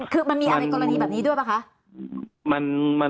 คือมันมีอะไรกรณีแบบนี้ด้วยป่ะคะ